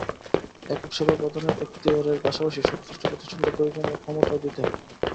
একক সেবা প্রদানের এখতিয়ারের পাশাপাশি সংশ্লিষ্ট প্রতিষ্ঠানকে প্রয়োজনীয় ক্ষমতাও দিতে হবে।